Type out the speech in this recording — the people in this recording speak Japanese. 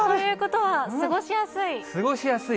過ごしやすい。